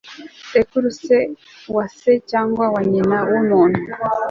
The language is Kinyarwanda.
sekuru se wa se cyangwa wa nyina w'umuntu